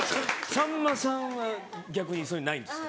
さんまさんは逆にそういうのないんですか？